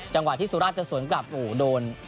จังหวะที่สุราชจะสวนกลับโอ้โหโดน